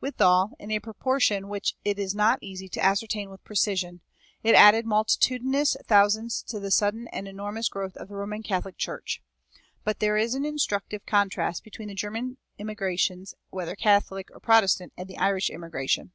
Withal, in a proportion which it is not easy to ascertain with precision, it added multitudinous thousands to the sudden and enormous growth of the Roman Catholic Church. But there is an instructive contrast between the German immigrations, whether Catholic or Protestant, and the Irish immigration.